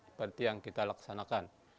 seperti yang kita laksanakan